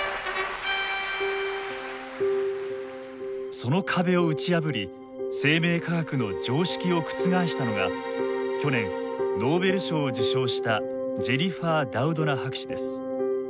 その壁を打ち破り生命科学の常識を覆したのが去年ノーベル賞を受賞したジェニファー・ダウドナ博士です。